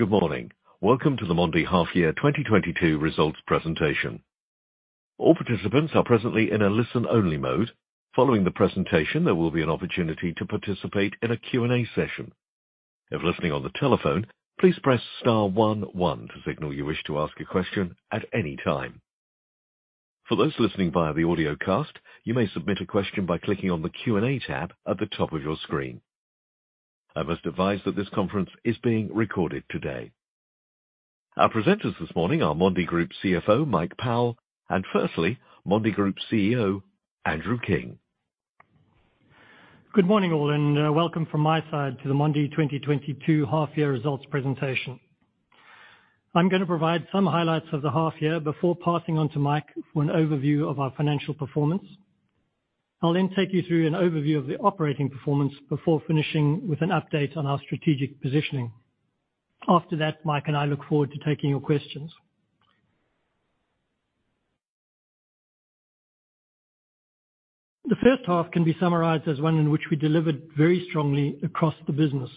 Good morning. Welcome to the Mondi half year 2022 results presentation. All participants are presently in a listen-only mode. Following the presentation, there will be an opportunity to participate in a Q&A session. If listening on the telephone, please press star one one to signal you wish to ask a question at any time. For those listening via the audio cast, you may submit a question by clicking on the Q&A tab at the top of your screen. I must advise that this conference is being recorded today. Our presenters this morning are Mondi Group CFO, Mike Powell, and firstly, Mondi Group CEO, Andrew King. Good morning, all, and welcome from my side to the Mondi 2022 half year results presentation. I'm gonna provide some highlights of the half year before passing on to Mike for an overview of our financial performance. I'll then take you through an overview of the operating performance before finishing with an update on our strategic positioning. After that, Mike and I look forward to taking your questions. The first half can be summarized as one in which we delivered very strongly across the business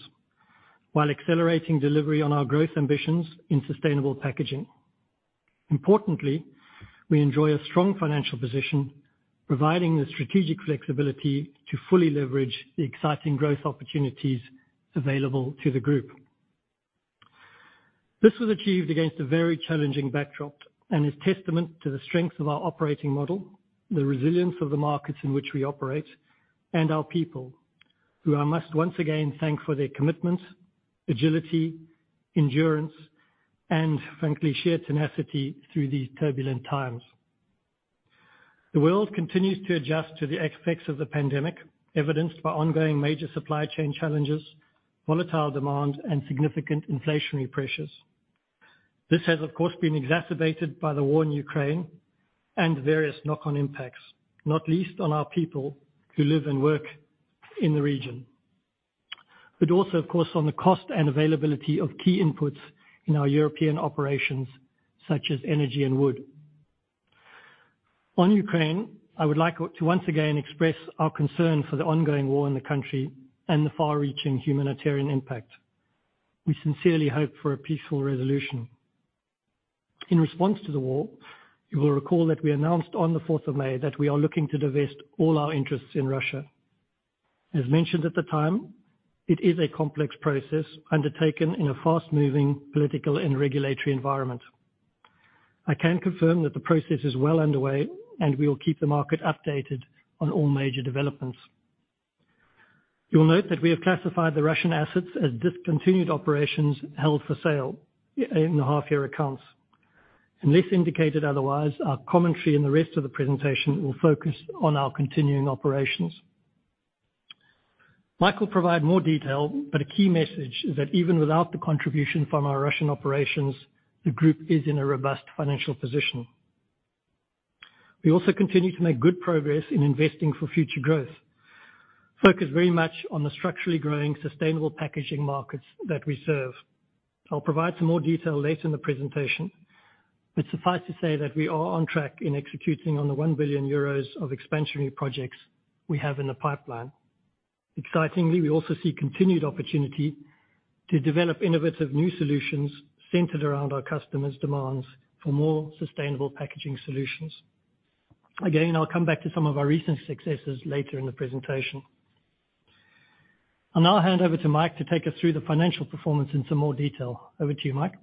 while accelerating delivery on our growth ambitions in sustainable packaging. Importantly, we enjoy a strong financial position, providing the strategic flexibility to fully leverage the exciting growth opportunities available to the group. This was achieved against a very challenging backdrop and is testament to the strength of our operating model, the resilience of the markets in which we operate, and our people, who I must once again thank for their commitment, agility, endurance, and frankly, sheer tenacity through these turbulent times. The world continues to adjust to the effects of the pandemic, evidenced by ongoing major supply chain challenges, volatile demand, and significant inflationary pressures. This has, of course, been exacerbated by the war in Ukraine and various knock-on impacts, not least on our people who live and work in the region. Also, of course, on the cost and availability of key inputs in our European operations, such as energy and wood. On Ukraine, I would like to once again express our concern for the ongoing war in the country and the far-reaching humanitarian impact. We sincerely hope for a peaceful resolution. In response to the war, you will recall that we announced on the fourth of May that we are looking to divest all our interests in Russia. As mentioned at the time, it is a complex process undertaken in a fast-moving political and regulatory environment. I can confirm that the process is well underway, and we will keep the market updated on all major developments. You'll note that we have classified the Russian assets as discontinued operations held for sale in the half year accounts. Unless indicated otherwise, our commentary in the rest of the presentation will focus on our continuing operations. Mike will provide more detail, but a key message is that even without the contribution from our Russian operations, the group is in a robust financial position. We also continue to make good progress in investing for future growth, focused very much on the structurally growing sustainable packaging markets that we serve. I'll provide some more detail later in the presentation, but suffice to say that we are on track in executing on the 1 billion euros of expansionary projects we have in the pipeline. Excitingly, we also see continued opportunity to develop innovative new solutions centered around our customers' demands for more sustainable packaging solutions. Again, I'll come back to some of our recent successes later in the presentation. I'll now hand over to Mike to take us through the financial performance in some more detail. Over to you, Mike.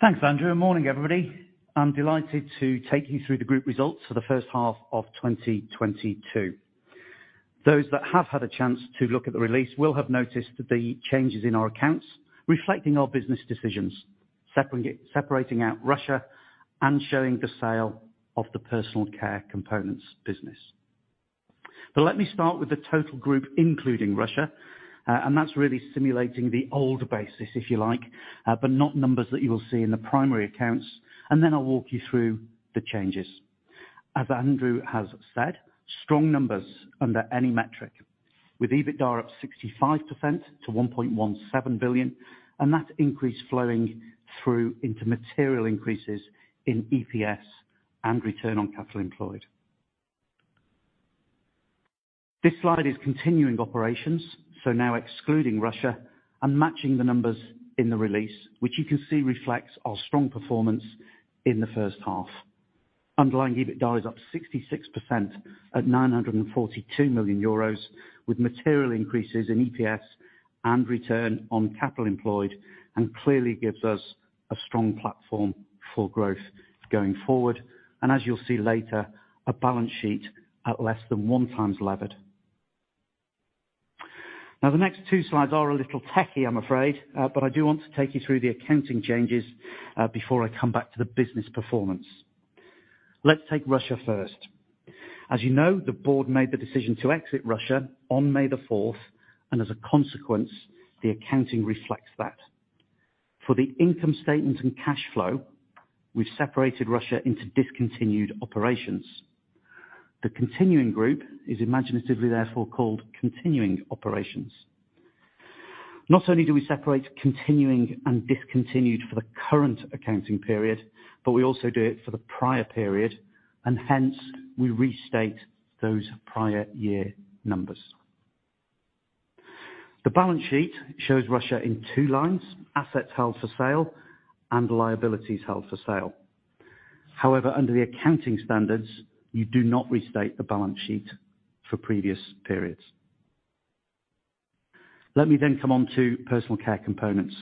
Thanks, Andrew, and morning, everybody. I'm delighted to take you through the group results for the first half of 2022. Those that have had a chance to look at the release will have noticed the changes in our accounts reflecting our business decisions, separating out Russia and showing the sale of the personal care components business. Let me start with the total group, including Russia, and that's really simulating the old basis, if you like, but not numbers that you will see in the primary accounts, and then I'll walk you through the changes. As Andrew has said, strong numbers under any metric, with EBITDA up 65% to 1.17 billion, and that increase flowing through into material increases in EPS and return on capital employed. This slide is continuing operations, so now excluding Russia and matching the numbers in the release, which you can see reflects our strong performance in the first half. Underlying EBITDA up 66% at 942 million euros, with material increases in EPS and return on capital employed, and clearly gives us a strong platform for growth going forward, and as you'll see later, a balance sheet at less than 1x leverage. Now, the next two slides are a little techy, I'm afraid, but I do want to take you through the accounting changes before I come back to the business performance. Let's take Russia first. As you know, the board made the decision to exit Russia on May the 4th, and as a consequence, the accounting reflects that. For the income statement and cash flow, we've separated Russia into discontinued operations. The continuing group is imaginatively therefore called continuing operations. Not only do we separate continuing and discontinued for the current accounting period, but we also do it for the prior period. Hence, we restate those prior year numbers. The balance sheet shows Russia in two lines, assets held for sale and liabilities held for sale. However, under the accounting standards, you do not restate the balance sheet for previous periods. Let me come on to personal care components.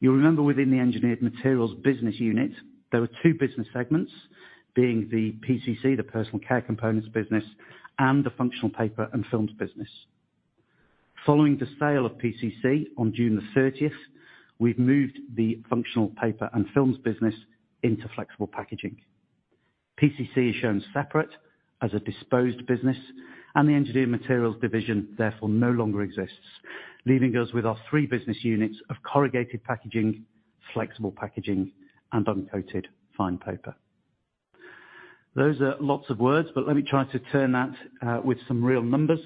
You remember within the Engineered Materials business unit, there were two business segments, being the PCC, the Personal Care Components business, and the Functional Paper and Films business. Following the sale of PCC on June the 30th, we've moved the Functional Paper and Films business into Flexible Packaging. PCC is shown separate as a disposed business, and the Engineered Materials division therefore no longer exists, leaving us with our three business units of Corrugated Packaging, Flexible Packaging, and Uncoated Fine Paper. Those are lots of words, but let me try to turn that with some real numbers.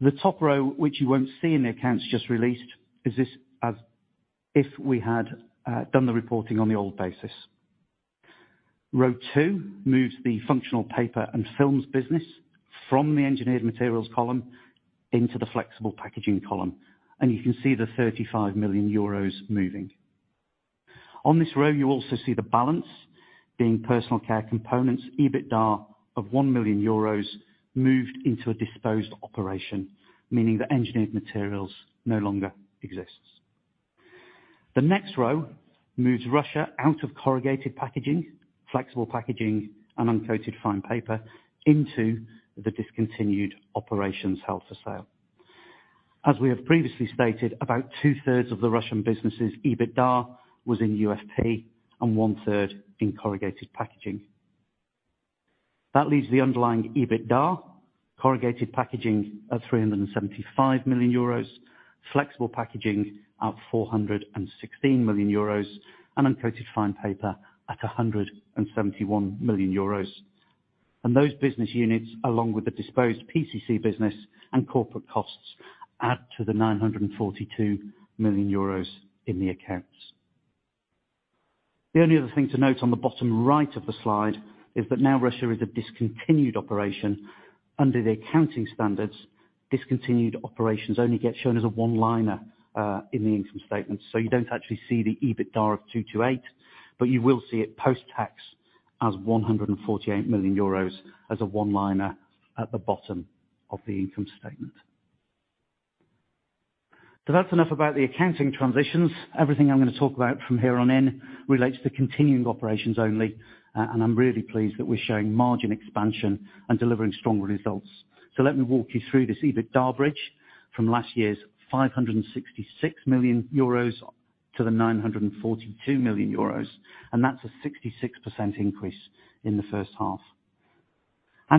The top row, which you won't see in the accounts just released, is this as if we had done the reporting on the old basis. Row two moves the Functional Paper and Films business from the Engineered Materials column into the Flexible Packaging column, and you can see the 35 million euros moving. On this row, you also see the balance being personal care components, EBITDA of 1 million euros moved into a disposed operation, meaning the Engineered Materials no longer exists. The next row moves Russia out of Corrugated Packaging, Flexible Packaging, and Uncoated Fine Paper into the discontinued operations held for sale. As we have previously stated, about 2/3 of the Russian businesses' EBITDA was in UFP and 1/3 in Corrugated Packaging. That leaves the underlying EBITDA, Corrugated Packaging at 375 million euros, Flexible Packaging at 416 million euros, and Uncoated Fine Paper at 171 million euros. Those business units, along with the disposed PCC business and corporate costs, add to the 942 million euros in the accounts. The only other thing to note on the bottom right of the slide is that now Russia is a discontinued operation. Under the accounting standards, discontinued operations only get shown as a one-liner in the income statement. You don't actually see the EBITDA of 228, but you will see it post-tax as 148 million euros as a one-liner at the bottom of the income statement. That's enough about the accounting transitions. Everything I'm gonna talk about from here on in relates to continuing operations only, and I'm really pleased that we're showing margin expansion and delivering strong results. Let me walk you through this EBITDA bridge from last year's 566 million euros to the 942 million euros, and that's a 66% increase in the first half.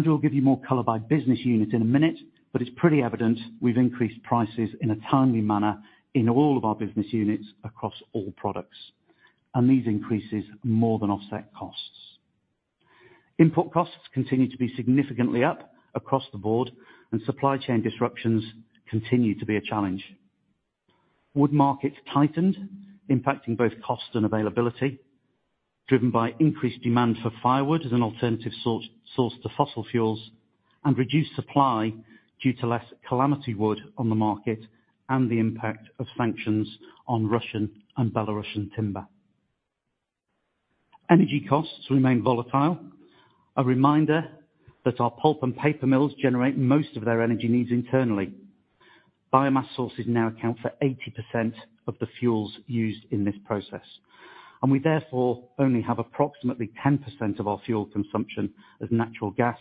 We'll give you more color by business unit in a minute, but it's pretty evident we've increased prices in a timely manner in all of our business units across all products. These increases more than offset costs. Input costs continue to be significantly up across the board, and supply chain disruptions continue to be a challenge. Wood markets tightened, impacting both cost and availability, driven by increased demand for firewood as an alternative source to fossil fuels and reduced supply due to less calamity wood on the market and the impact of sanctions on Russian and Belarusian timber. Energy costs remain volatile. A reminder that our pulp and paper mills generate most of their energy needs internally. Biomass sources now account for 80% of the fuels used in this process, and we therefore only have approximately 10% of our fuel consumption as natural gas,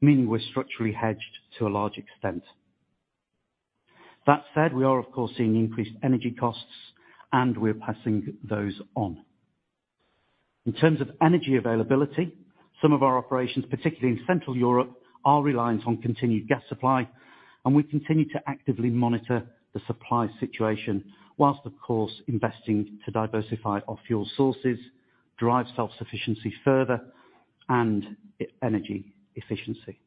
meaning we're structurally hedged to a large extent. That said, we are of course seeing increased energy costs, and we're passing those on. In terms of energy availability, some of our operations, particularly in Central Europe, are reliant on continued gas supply, and we continue to actively monitor the supply situation while of course investing to diversify our fuel sources, drive self-sufficiency further and energy efficiency.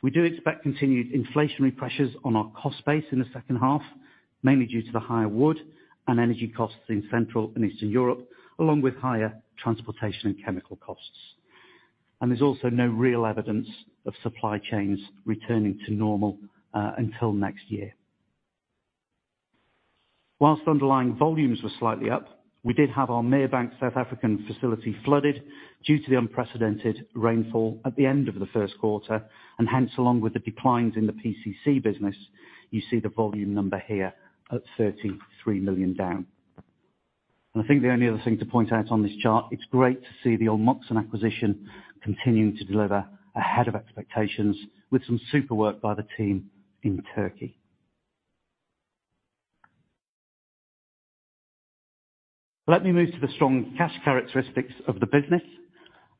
We do expect continued inflationary pressures on our cost base in the second half, mainly due to the higher wood and energy costs in Central and Eastern Europe, along with higher transportation and chemical costs. There's also no real evidence of supply chains returning to normal until next year. While underlying volumes were slightly up, we did have our Merebank South African facility flooded due to the unprecedented rainfall at the end of the first quarter, and hence, along with the declines in the PCC business, you see the volume number here at 33 million down. I think the only other thing to point out on this chart, it's great to see the Olmuksan acquisition continuing to deliver ahead of expectations with some super work by the team in Turkey. Let me move to the strong cash characteristics of the business.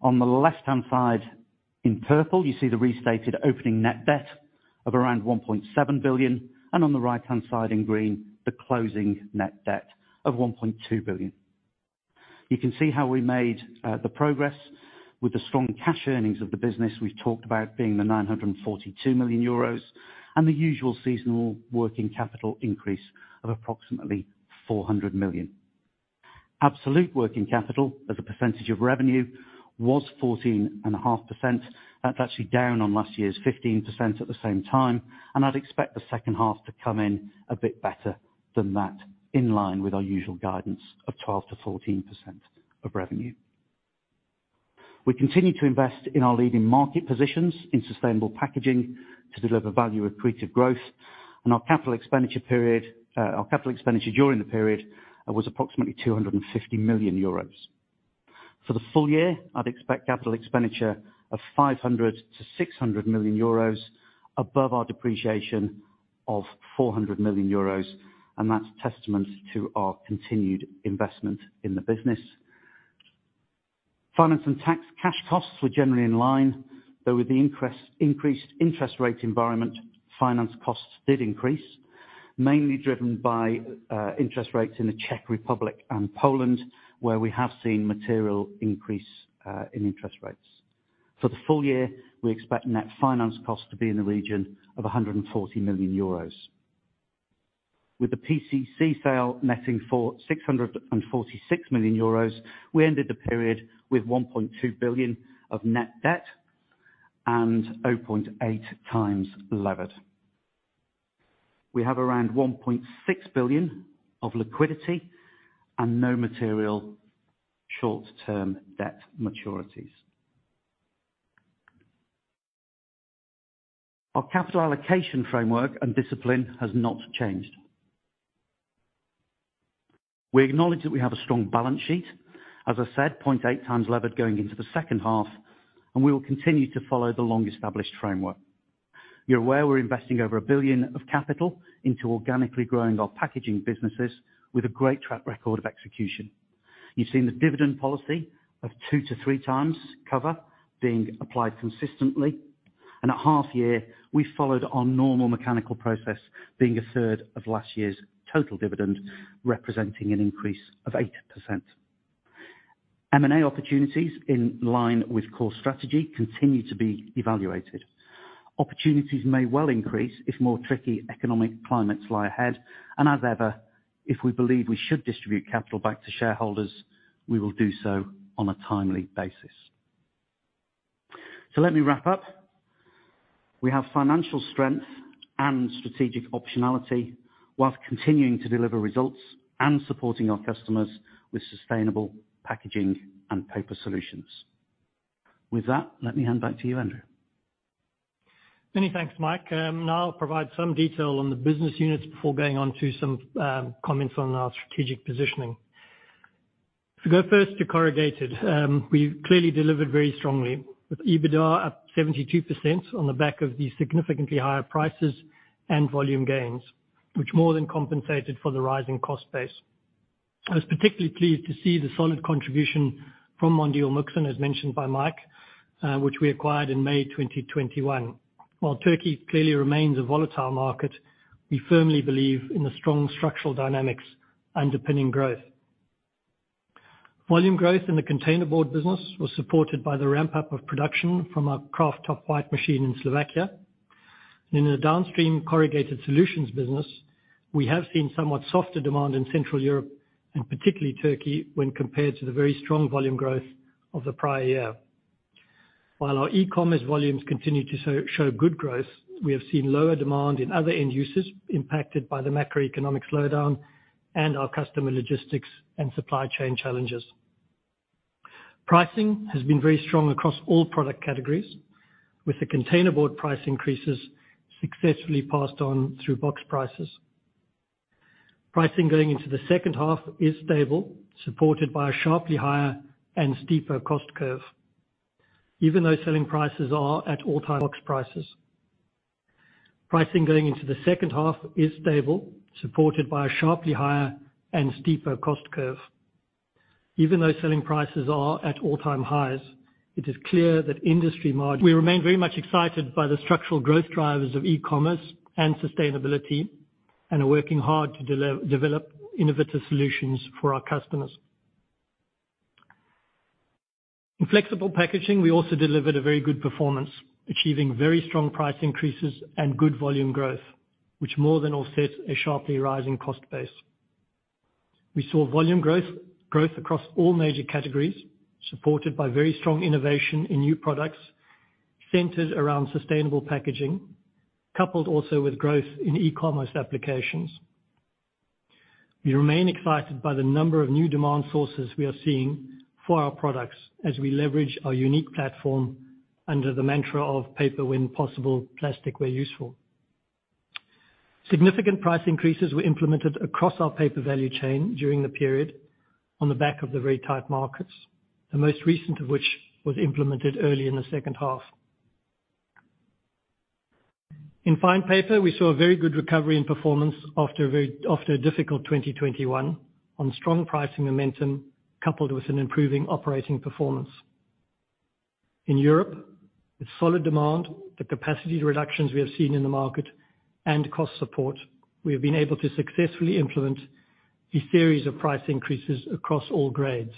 On the left-hand side, in purple you see the restated opening net debt of around 1.7 billion, and on the right-hand side in green, the closing net debt of 1.2 billion. You can see how we made the progress with the strong cash earnings of the business we've talked about being 942 million euros, and the usual seasonal working capital increase of approximately 400 million. Absolute working capital as a percentage of revenue was 14.5%. That's actually down on last year's 15% at the same time, and I'd expect the second half to come in a bit better than that, in line with our usual guidance of 12%-14% of revenue. We continue to invest in our leading market positions in sustainable packaging to deliver value accretive growth. Our capital expenditure during the period was approximately 250 million euros. For the full year, I'd expect capital expenditure of 500 million-600 million euros above our depreciation of 400 million euros, and that's testament to our continued investment in the business. Finance and tax cash costs were generally in line, though with the increased interest rate environment, finance costs did increase, mainly driven by interest rates in the Czech Republic and Poland, where we have seen material increase in interest rates. For the full year, we expect net finance cost to be in the region of 140 million euros. With the PCC sale netting 646 million euros, we ended the period with 1.2 billion of net debt and 0.8x levered. We have around 1.6 billion of liquidity and no material short-term debt maturities. Our capital allocation framework and discipline has not changed. We acknowledge that we have a strong balance sheet, as I said, 0.8x levered going into the second half, and we will continue to follow the long-established framework. You're aware we're investing over 1 billion of capital into organically growing our packaging businesses with a great track record of execution. You've seen the dividend policy of 2x-3x cover being applied consistently, and at half year, we followed our normal mechanical process, being a third of last year's total dividend, representing an increase of 8%. M&A opportunities in line with core strategy continue to be evaluated. Opportunities may well increase if more tricky economic climates lie ahead. As ever, if we believe we should distribute capital back to shareholders, we will do so on a timely basis. Let me wrap up. We have financial strength and strategic optionality while continuing to deliver results and supporting our customers with sustainable packaging and paper solutions. With that, let me hand back to you, Andrew. Many thanks, Mike. Now I'll provide some detail on the business units before going on to some comments on our strategic positioning. To go first to Corrugated, we clearly delivered very strongly with EBITDA up 72% on the back of the significantly higher prices and volume gains, which more than compensated for the rising cost base. I was particularly pleased to see the solid contribution from Mondi Olmuksan, as mentioned by Mike, which we acquired in May 2021. While Turkey clearly remains a volatile market, we firmly believe in the strong structural dynamics underpinning growth. Volume growth in the containerboard business was supported by the ramp-up of production from our kraft top white machine in Slovakia. In the downstream Corrugated Solutions business, we have seen somewhat softer demand in Central Europe, and particularly Turkey, when compared to the very strong volume growth of the prior year. While our e-commerce volumes continue to show good growth, we have seen lower demand in other end uses impacted by the macroeconomic slowdown and our customer logistics and supply chain challenges. Pricing has been very strong across all product categories, with the containerboard price increases successfully passed on through box prices. Pricing going into the second half is stable, supported by a sharply higher and steeper cost curve. Even though selling prices are at all-time highs, it is clear that industry margin. We remain very much excited by the structural growth drivers of e-commerce and sustainability and are working hard to develop innovative solutions for our customers. In flexible packaging, we also delivered a very good performance, achieving very strong price increases and good volume growth, which more than offsets a sharply rising cost base. We saw volume growth across all major categories, supported by very strong innovation in new products centered around sustainable packaging, coupled also with growth in e-commerce applications. We remain excited by the number of new demand sources we are seeing for our products as we leverage our unique platform under the mantra of paper when possible, plastic where useful. Significant price increases were implemented across our paper value chain during the period on the back of the very tight markets, the most recent of which was implemented early in the second half. In fine paper, we saw a very good recovery in performance after a difficult 2021 on strong pricing momentum, coupled with an improving operating performance. In Europe, with solid demand, the capacity reductions we have seen in the market and cost support, we have been able to successfully implement a series of price increases across all grades.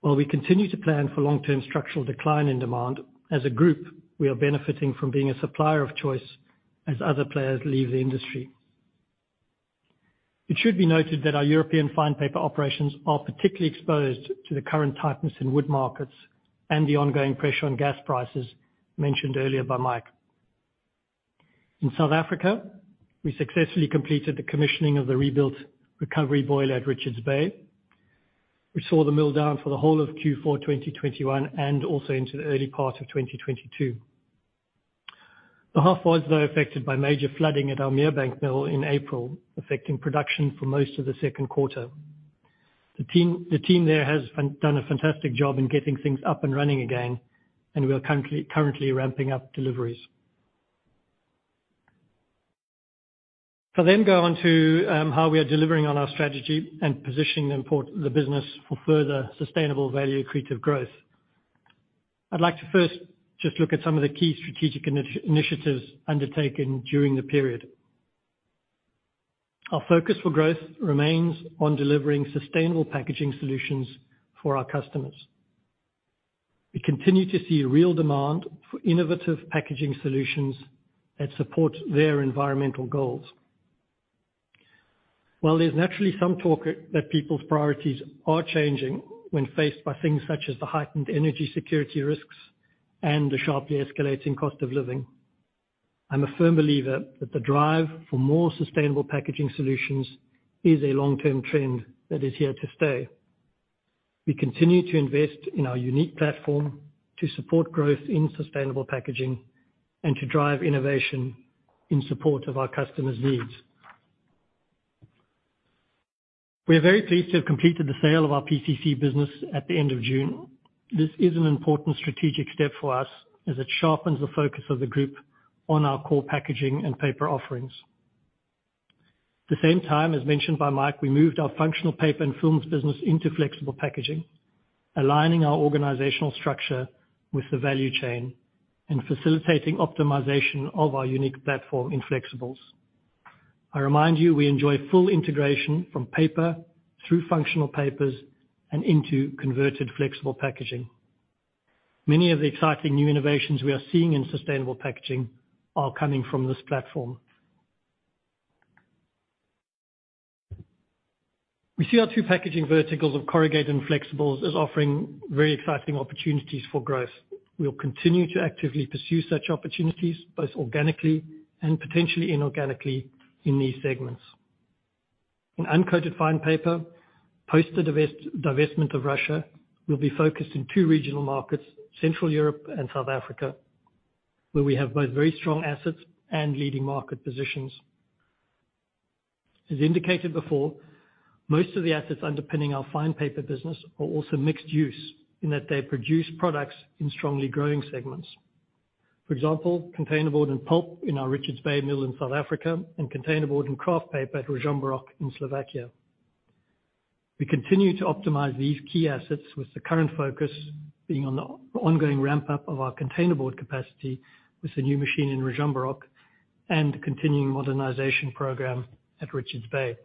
While we continue to plan for long-term structural decline in demand, as a group, we are benefiting from being a supplier of choice as other players leave the industry. It should be noted that our European fine paper operations are particularly exposed to the current tightness in wood markets and the ongoing pressure on gas prices mentioned earlier by Mike. In South Africa, we successfully completed the commissioning of the rebuilt recovery boiler at Richards Bay. We saw the mill down for the whole of Q4 2021, and also into the early part of 2022. The half was, though, affected by major flooding at our Merebank mill in April, affecting production for most of the second quarter. The team there has done a fantastic job in getting things up and running again, and we are currently ramping up deliveries. I'll then go on to how we are delivering on our strategy and positioning the business for further sustainable value accretive growth. I'd like to first just look at some of the key strategic initiatives undertaken during the period. Our focus for growth remains on delivering sustainable packaging solutions for our customers. We continue to see real demand for innovative packaging solutions that support their environmental goals. While there's naturally some talk that people's priorities are changing when faced by things such as the heightened energy security risks and the sharply escalating cost of living, I'm a firm believer that the drive for more sustainable packaging solutions is a long-term trend that is here to stay. We continue to invest in our unique platform to support growth in sustainable packaging and to drive innovation in support of our customers' needs. We are very pleased to have completed the sale of our PCC business at the end of June. This is an important strategic step for us as it sharpens the focus of the group on our core packaging and paper offerings. At the same time, as mentioned by Mike, we moved our Functional Paper and Films business into Flexible Packaging, aligning our organizational structure with the value chain and facilitating optimization of our unique platform in flexibles. I remind you, we enjoy full integration from paper through functional papers and into converted flexible packaging. Many of the exciting new innovations we are seeing in sustainable packaging are coming from this platform. We see our two packaging verticals of Corrugated and Flexibles as offering very exciting opportunities for growth. We will continue to actively pursue such opportunities, both organically and potentially inorganically in these segments. In uncoated fine paper, post the divestment of Russia, we'll be focused in two regional markets, Central Europe and South Africa, where we have both very strong assets and leading market positions. As indicated before, most of the assets underpinning our fine paper business are also mixed use in that they produce products in strongly growing segments. For example, containerboard and pulp in our Richards Bay mill in South Africa, and containerboard and kraft paper at Ružomberok in Slovakia. We continue to optimize these key assets with the current focus being on the ongoing ramp-up of our containerboard capacity with the new machine in Ružomberok and the continuing modernization program at Richards Bay.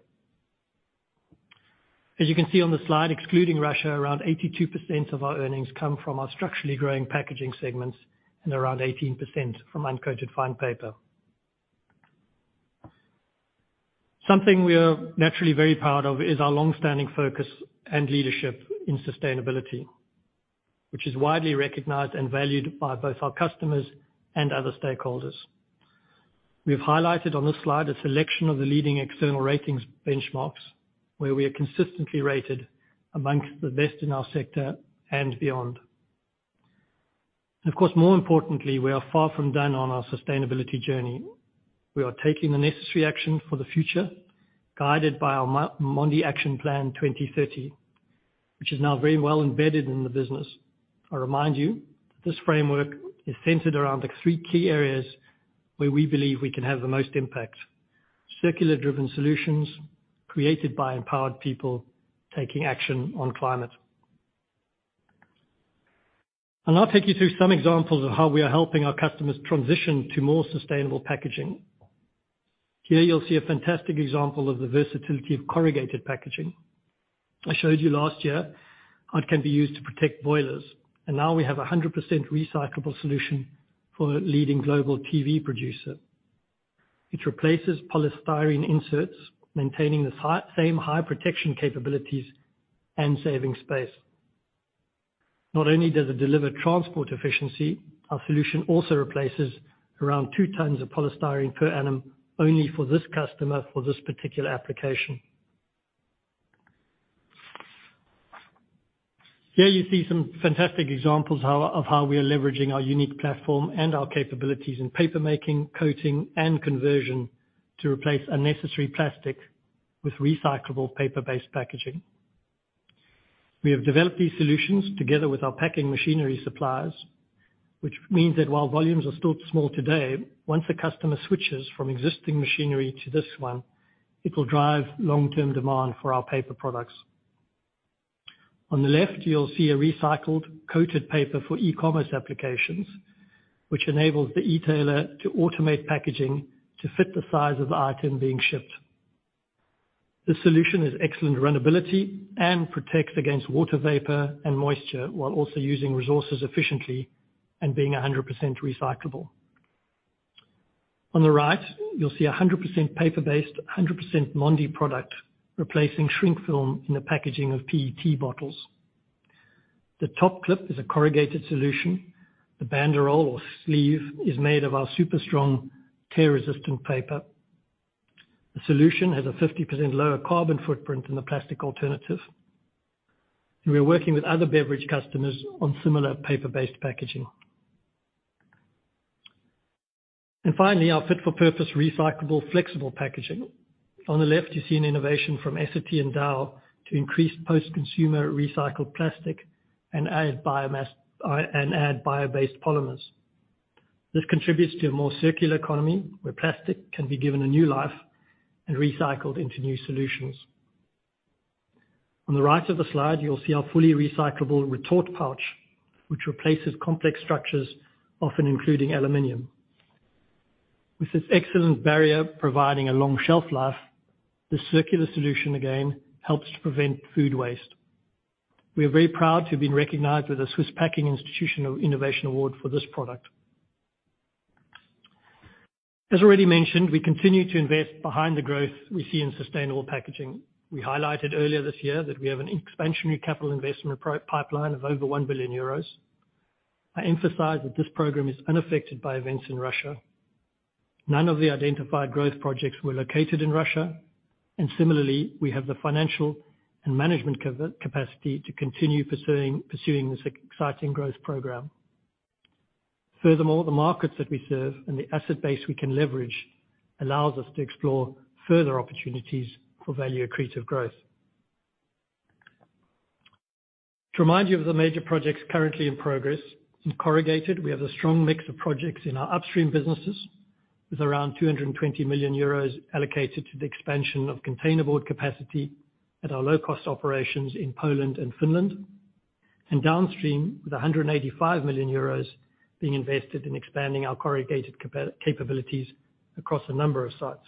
As you can see on the slide, excluding Russia, around 82% of our earnings come from our structurally growing packaging segments and around 18% from Uncoated Fine Paper. Something we are naturally very proud of is our long-standing focus and leadership in sustainability, which is widely recognized and valued by both our customers and other stakeholders. We have highlighted on this slide a selection of the leading external ratings benchmarks, where we are consistently rated among the best in our sector and beyond. Of course, more importantly, we are far from done on our sustainability journey. We are taking the necessary action for the future, guided by our Mondi Action Plan 2030, which is now very well embedded in the business. I remind you that this framework is centered around the three key areas where we believe we can have the most impact. Circular-driven solutions created by empowered people taking action on climate. I'll now take you through some examples of how we are helping our customers transition to more sustainable packaging. Here you'll see a fantastic example of the versatility of corrugated packaging. I showed you last year how it can be used to protect boilers, and now we have a 100% recyclable solution for a leading global TV producer. It replaces polystyrene inserts, maintaining the same high protection capabilities and saving space. Not only does it deliver transport efficiency, our solution also replaces around 2 tons of polystyrene per annum, only for this customer, for this particular application. Here you see some fantastic examples of how we are leveraging our unique platform and our capabilities in paper making, coating, and conversion to replace unnecessary plastic with recyclable paper-based packaging. We have developed these solutions together with our packaging machinery suppliers, which means that while volumes are still small today, once a customer switches from existing machinery to this one, it will drive long-term demand for our paper products. On the left, you'll see a recycled coated paper for e-commerce applications, which enables the e-tailer to automate packaging to fit the size of the item being shipped. This solution has excellent runnability and protects against water vapor and moisture, while also using resources efficiently and being 100% recyclable. On the right, you'll see a 100% paper-based, 100% Mondi product replacing shrink film in the packaging of PET bottles. The top clip is a corrugated solution. The banderole or sleeve is made of our super strong tear-resistant paper. The solution has a 50% lower carbon footprint than the plastic alternative. We're working with other beverage customers on similar paper-based packaging. Finally, our fit for purpose recyclable flexible packaging. On the left, you see an innovation from Essity and Dow to increase post-consumer recycled plastic and add biomass and bio-based polymers. This contributes to a more circular economy, where plastic can be given a new life and recycled into new solutions. On the right of the slide, you'll see our fully recyclable retort pouch, which replaces complex structures, often including aluminum. With its excellent barrier providing a long shelf life, this circular solution again helps to prevent food waste. We are very proud to have been recognized with the Swiss Packaging Institute Innovation Award for this product. As already mentioned, we continue to invest behind the growth we see in sustainable packaging. We highlighted earlier this year that we have an expansionary capital investment pipeline of over 1 billion euros. I emphasize that this program is unaffected by events in Russia. None of the identified growth projects were located in Russia, and similarly, we have the financial and management capacity to continue pursuing this exciting growth program. Furthermore, the markets that we serve and the asset base we can leverage allows us to explore further opportunities for value accretive growth. To remind you of the major projects currently in progress. In corrugated, we have a strong mix of projects in our upstream businesses, with around 220 million euros allocated to the expansion of containerboard capacity at our low-cost operations in Poland and Finland. Downstream, with 185 million euros being invested in expanding our corrugated capabilities across a number of sites.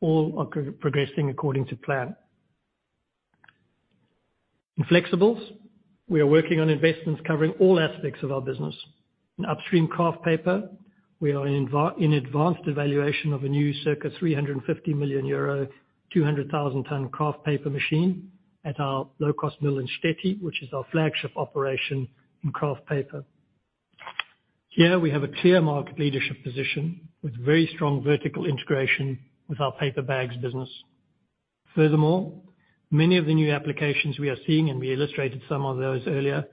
All are progressing according to plan. In flexibles, we are working on investments covering all aspects of our business. In upstream kraft paper, we are in advanced evaluation of a new circa 350 million euro, 200,000-ton kraft paper machine at our low-cost mill in Štětí, which is our flagship operation in kraft paper. Here we have a clear market leadership position with very strong vertical integration with our paper bags business. Furthermore, many of the new applications we are seeing, and we illustrated some of those earlier,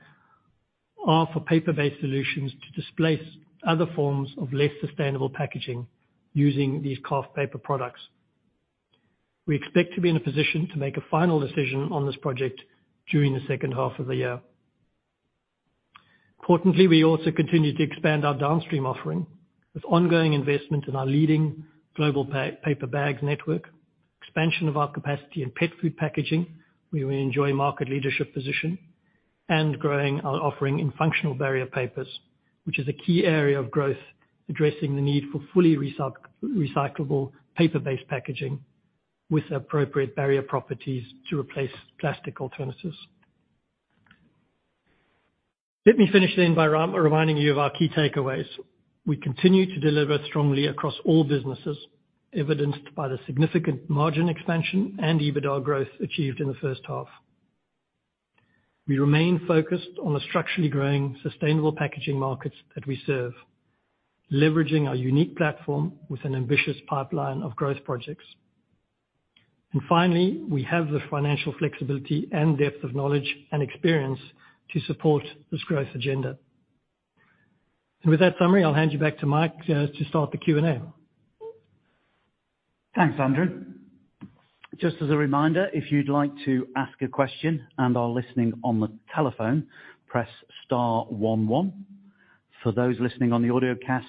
are for paper-based solutions to displace other forms of less sustainable packaging using these kraft paper products. We expect to be in a position to make a final decision on this project during the second half of the year. Importantly, we also continue to expand our downstream offering with ongoing investment in our leading global paper bag network, expansion of our capacity in pet food packaging, where we enjoy market leadership position, and growing our offering in functional barrier papers. Which is a key area of growth addressing the need for fully recyclable paper-based packaging with appropriate barrier properties to replace plastic alternatives. Let me finish then by reminding you of our key takeaways. We continue to deliver strongly across all businesses, evidenced by the significant margin expansion and EBITDA growth achieved in the first half. We remain focused on the structurally growing sustainable packaging markets that we serve, leveraging our unique platform with an ambitious pipeline of growth projects. Finally, we have the financial flexibility and depth of knowledge and experience to support this growth agenda. With that summary, I'll hand you back to Mike to start the Q&A. Thanks, Andrew. Just as a reminder, if you'd like to ask a question and are listening on the telephone, press star one one. For those listening on the audiocast,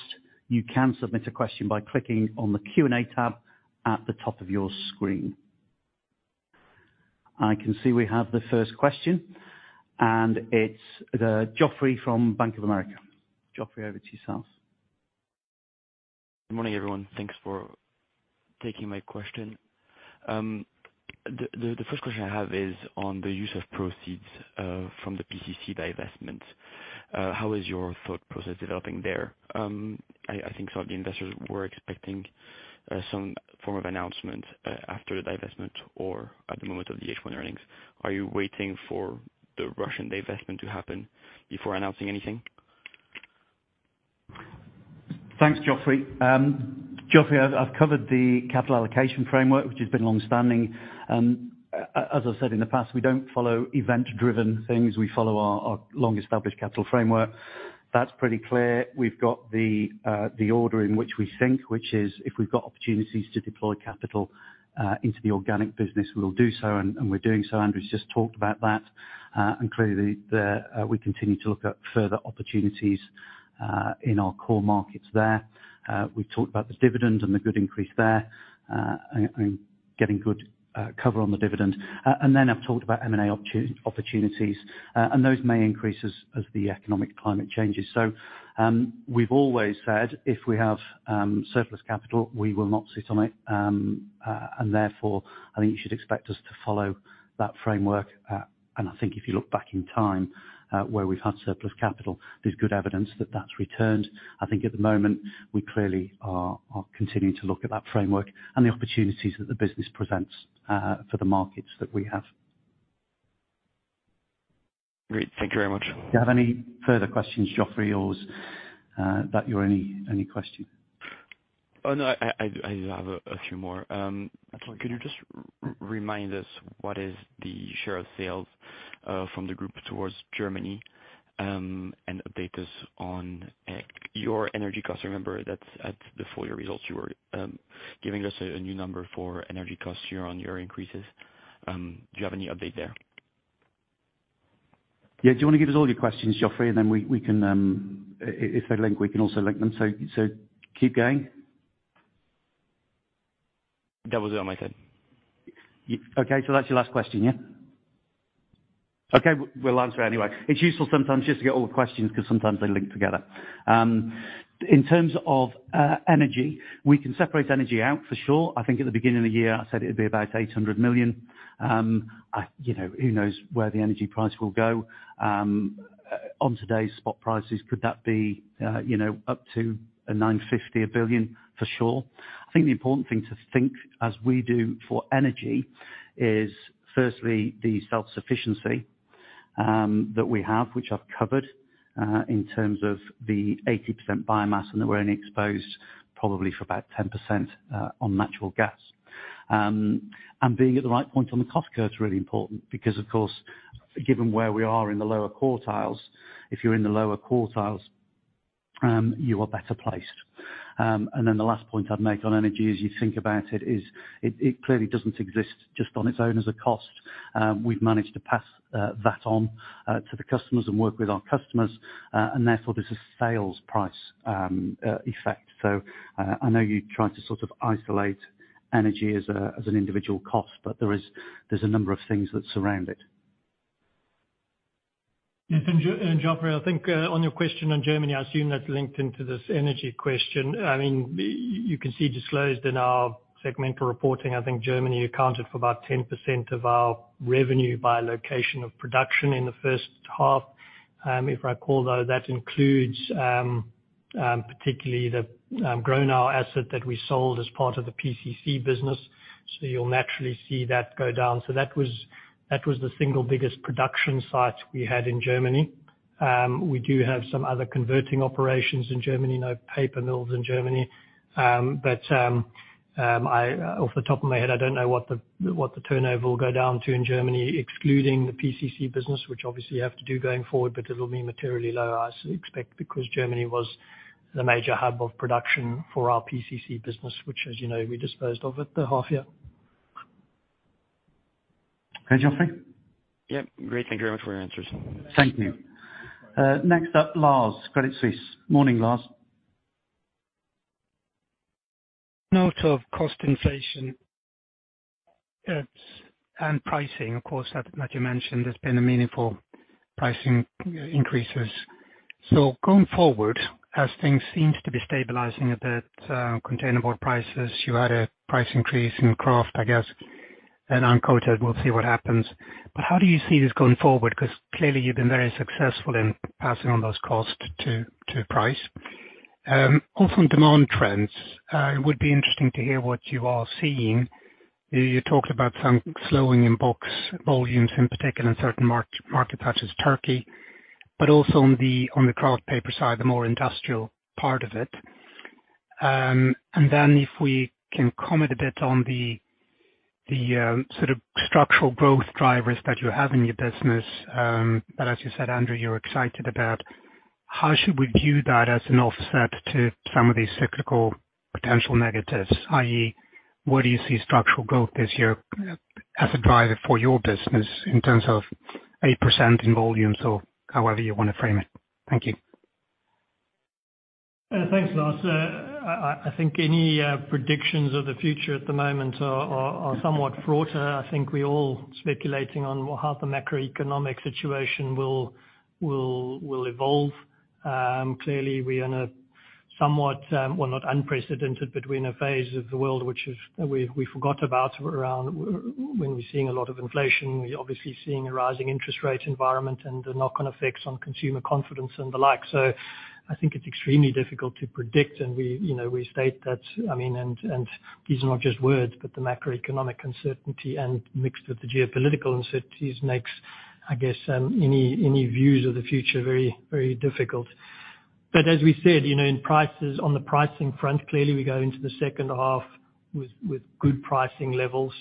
you can submit a question by clicking on the Q&A tab at the top of your screen. I can see we have the first question, and it's Joffrey from Bank of America. Geoffrey, over to yourselves. Good morning, everyone. Thanks for taking my question. The first question I have is on the use of proceeds from the PCC divestment. How is your thought process developing there? I think some of the investors were expecting some form of announcement after the divestment or at the moment of the H1 earnings. Are you waiting for the Russian divestment to happen before announcing anything? Thanks, Joffrey. Joffrey, I've covered the capital allocation framework, which has been longstanding. As I said in the past, we don't follow event-driven things. We follow our long-established capital framework. That's pretty clear. We've got the order in which we think, which is if we've got opportunities to deploy capital into the organic business, we'll do so, and we're doing so. Andrew's just talked about that. Clearly there, we continue to look at further opportunities in our core markets there. We've talked about the dividend and the good increase there, and getting good cover on the dividend. Then I've talked about M&A opportunities, and those may increase as the economic climate changes. We've always said if we have surplus capital, we will not sit on it. Therefore, I think you should expect us to follow that framework. I think if you look back in time, where we've had surplus capital, there's good evidence that that's returned. I think at the moment, we clearly are continuing to look at that framework and the opportunities that the business presents, for the markets that we have. Great. Thank you very much. Do you have any further questions, Joffrey, or is that your only question? Oh, no. I do have a few more. Absolutely. Can you just remind us what is the share of sales from the group towards Germany and update us on your energy costs? I remember that at the full year results you were giving us a new number for energy costs year on year increases. Do you have any update there? Yeah. Do you wanna give us all your questions, Joffrey, and then we can, if they're linked, we can also link them. Keep going? That was the only thing. Okay. That's your last question, yeah? Okay. We'll answer anyway. It's useful sometimes just to get all the questions 'cause sometimes they link together. In terms of energy, we can separate energy out for sure. I think at the beginning of the year, I said it would be about 800 million. You know, who knows where the energy price will go. On today's spot prices, could that be you know, up to 950 million, 1 billion? For sure. I think the important thing to think as we do for energy is firstly the self-sufficiency that we have, which I've covered in terms of the 80% biomass, and that we're only exposed probably for about 10% on natural gas. Being at the right point on the cost curve is really important because, of course, given where we are in the lower quartiles, if you're in the lower quartiles, you are better placed. Then the last point I'd make on energy as you think about it is it clearly doesn't exist just on its own as a cost. We've managed to pass that on to the customers and work with our customers, and therefore there's a sales price effect. I know you tried to sort of isolate energy as an individual cost, but there's a number of things that surround it. Yeah. Joffrey, I think, on your question on Germany, I assume that's linked into this energy question. I mean, you can see disclosed in our segmental reporting, I think Germany accounted for about 10% of our revenue by location of production in the first half. If I recall, though, that includes particularly the Gronau asset that we sold as part of the PCC business. You'll naturally see that go down. That was the single biggest production site we had in Germany. We do have some other converting operations in Germany, no paper mills in Germany. Off the top of my head, I don't know what the turnover will go down to in Germany, excluding the PCC business, which obviously you have to do going forward, but it'll be materially lower, I expect, because Germany was the major hub of production for our PCC business, which, as you know, we disposed of at the half year. Okay, Joffrey? Yep. Great. Thank you very much for your answers. Thank you. Next up, Lars, Credit Suisse. Morning, Lars. Note of cost inflation and pricing, of course, as Andrew King mentioned, there's been a meaningful pricing increases. Going forward, as things seems to be stabilizing a bit, containerboard prices, you had a price increase in kraft, I guess, and uncoated, we'll see what happens. How do you see this going forward? 'Cause clearly you've been very successful in passing on those costs to price. Also on demand trends, it would be interesting to hear what you are seeing. You talked about some slowing in box volumes, in particular in certain marketplaces, Turkey, but also on the kraft paper side, the more industrial part of it. If we can comment a bit on the sort of structural growth drivers that you have in your business, that, as you said, Andrew, you're excited about, how should we view that as an offset to some of these cyclical potential negatives, i.e., where do you see structural growth this year as a driver for your business in terms of 8% in volumes or however you wanna frame it? Thank you. Thanks, Lars. I think any predictions of the future at the moment are somewhat fraught. I think we're all speculating on how the macroeconomic situation will evolve. Clearly we are in a somewhat well, not unprecedented, but we're in a phase of the world which we forgot about around when we're seeing a lot of inflation. We're obviously seeing a rising interest rate environment and the knock-on effects on consumer confidence and the like. I think it's extremely difficult to predict. We, you know, we state that, I mean, and these are not just words, but the macroeconomic uncertainty mixed with the geopolitical uncertainties makes, I guess, any views of the future very difficult. As we said, you know, in prices, on the pricing front, clearly we go into the second half with good pricing levels.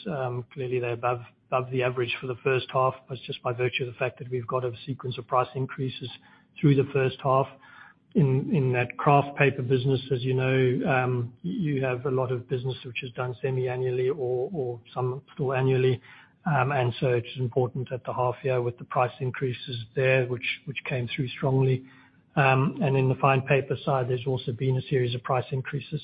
Clearly they're above the average for the first half, but it's just by virtue of the fact that we've got a sequence of price increases through the first half. In that kraft paper business, as you know, you have a lot of business which is done semi-annually or some still annually. And so it's important at the half year with the price increases there, which came through strongly. And in the fine paper side, there's also been a series of price increases.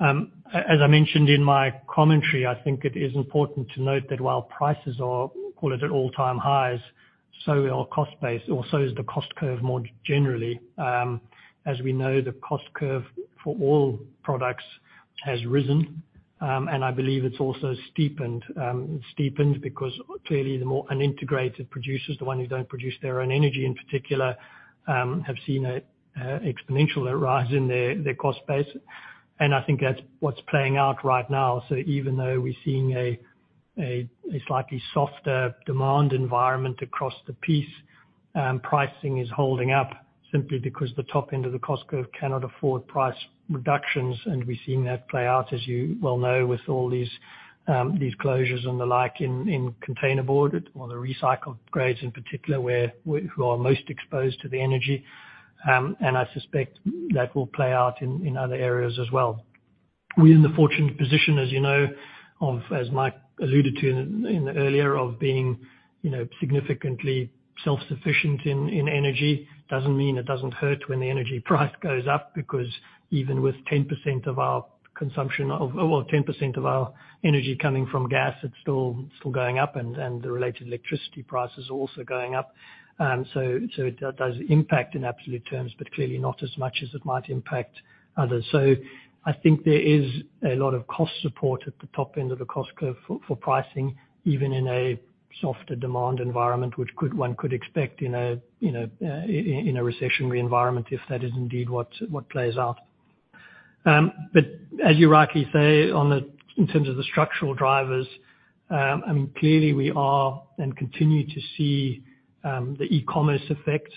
As I mentioned in my commentary, I think it is important to note that while prices are, call it, at all-time highs, so is the cost curve more generally. As we know, the cost curve for all products has risen, and I believe it's also steepened. Steepened because clearly the more unintegrated producers, the ones who don't produce their own energy in particular, have seen an exponential rise in their cost base. I think that's what's playing out right now. Even though we're seeing a slightly softer demand environment across the piece, pricing is holding up simply because the top end of the cost curve cannot afford price reductions. We're seeing that play out, as you well know, with all these closures and the like in containerboard or the recycled grades in particular, where we are most exposed to the energy. I suspect that will play out in other areas as well. We're in the fortunate position, as you know, as Mike alluded to earlier, of being, you know, significantly self-sufficient in energy. Doesn't mean it doesn't hurt when the energy price goes up, because even with 10% of our energy coming from gas, it's still going up, and the related electricity prices are also going up. It does impact in absolute terms, but clearly not as much as it might impact others. I think there is a lot of cost support at the top end of the cost curve for pricing, even in a softer demand environment, which one could expect in a, you know, recessionary environment, if that is indeed what plays out. As you rightly say, in terms of the structural drivers, I mean, clearly we are and continue to see the e-commerce effect.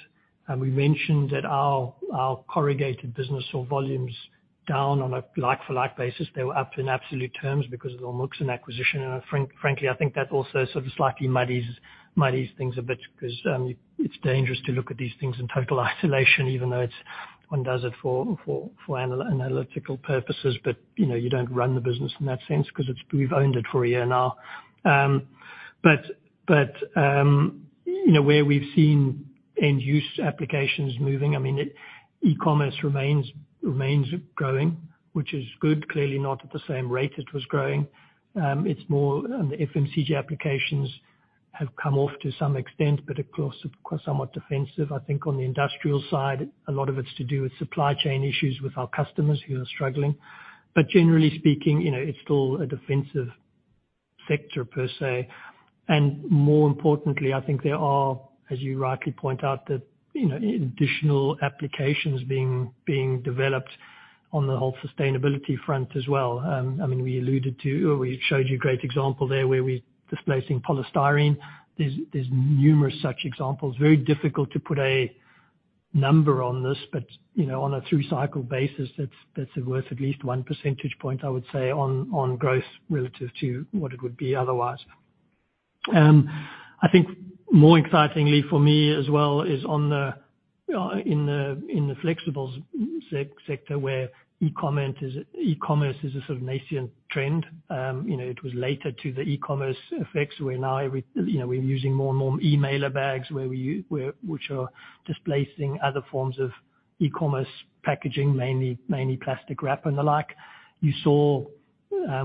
We mentioned that our Corrugated business saw volumes down on a like-for-like basis. They were up in absolute terms because of the Olmuksan acquisition. Frankly, I think that also sort of slightly muddies things a bit because it's dangerous to look at these things in total isolation, even though one does it for analytical purposes. You know, you don't run the business in that sense because we've owned it for a year now. You know, where we've seen end-use applications moving, I mean, e-commerce remains growing, which is good. Clearly not at the same rate it was growing. It's more the FMCG applications have come off to some extent, but of course, somewhat defensive. I think on the industrial side, a lot of it's to do with supply chain issues with our customers who are struggling. Generally speaking, you know, it's still a defensive sector per se. More importantly, I think there are, as you rightly point out, that, you know, additional applications being developed on the whole sustainability front as well. I mean, we alluded to, or we showed you a great example there where we're displacing polystyrene. There's numerous such examples. Very difficult to put a number on this, but, you know, on a through cycle basis, that's worth at least one percentage point, I would say, on growth relative to what it would be otherwise. I think more excitingly for me as well is in the flexibles sector where e-commerce is a sort of nascent trend. You know, it was later to the e-commerce effects, where now every, you know, we're using more and more mailer bags which are displacing other forms of e-commerce packaging, mainly plastic wrap and the like. You saw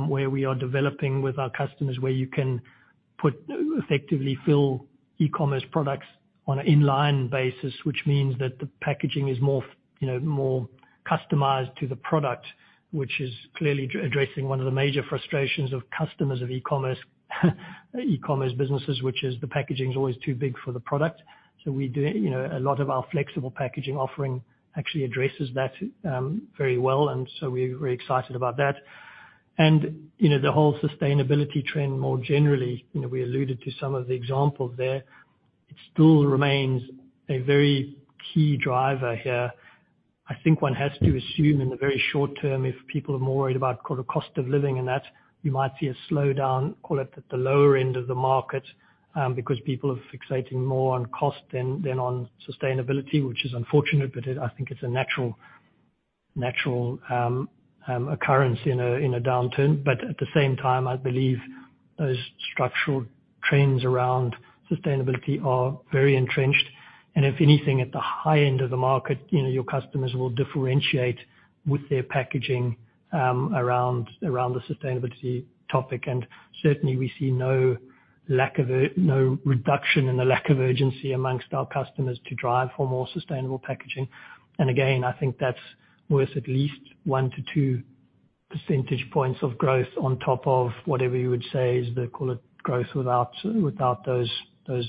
where we are developing with our customers, where you can effectively fill e-commerce products on an inline basis, which means that the packaging is more, you know, more customized to the product, which is clearly addressing one of the major frustrations of customers of e-commerce businesses, which is the packaging is always too big for the product. We do, you know, a lot of our Flexible Packaging offering actually addresses that, very well, and we're very excited about that. You know, the whole sustainability trend more generally, you know, we alluded to some of the examples there. It still remains a very key driver here. I think one has to assume in the very short term, if people are more worried about call it cost of living and that, you might see a slowdown, call it, at the lower end of the market, because people are fixating more on cost than on sustainability, which is unfortunate, but I think it's a natural occurrence in a downturn. At the same time, I believe those structural trends around sustainability are very entrenched. If anything, at the high end of the market, you know, your customers will differentiate with their packaging around the sustainability topic. Certainly we see no reduction in the lack of urgency among our customers to drive for more sustainable packaging. Again, I think that's worth at least 1-2 percentage points of growth on top of whatever you would say is the, call it, growth without those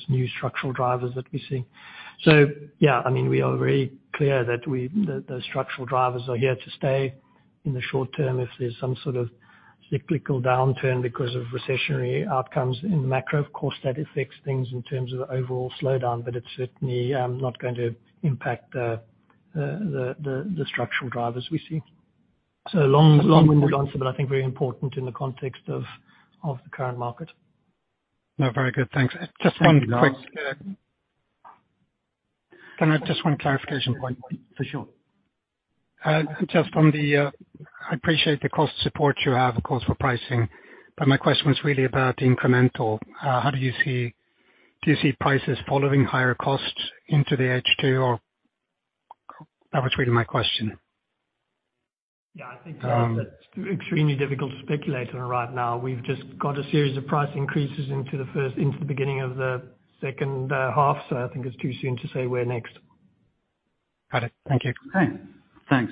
new structural drivers that we see. Yeah, I mean, we are very clear that those structural drivers are here to stay in the short term. If there's some sort of cyclical downturn because of recessionary outcomes in macro, of course, that affects things in terms of overall slowdown, but it's certainly not going to impact the structural drivers we see. Long, long-winded answer, but I think very important in the context of the current market. No, very good. Thanks. Just one quick, Can I have just one clarification point? For sure. Just on the, I appreciate the cost support you have, of course, for pricing, but my question was really about the incremental. Do you see prices following higher costs into the H2 or? That was really my question. Yeah, I think that's extremely difficult to speculate on right now. We've just got a series of price increases into the beginning of the second half. I think it's too soon to say where next. Got it. Thank you. Okay. Thanks.